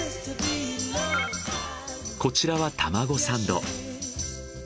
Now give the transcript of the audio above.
こちらはたまごサンド。